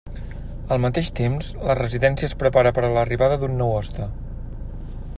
Al mateix temps, la residència es prepara per a l'arribada d'un nou hoste.